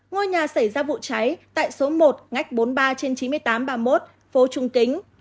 ngôi nhà xảy ra vụ cháy tại số một ngách bốn mươi ba trên chín mươi tám ba mươi một phố trung kính